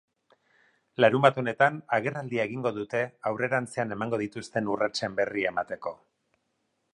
Larunbat honetan agerraldia egingo dute, aurrerantzean emango dituzten urratsen berri emateko.